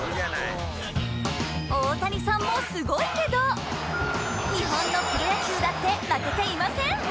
大谷さんもすごいけど日本のプロ野球だって負けていません！